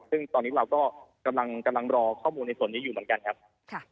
ซึ่งตอนนี้เราก็กำลังรอข้อมูลในส่วนนี้อยู่เหมือนกันครับ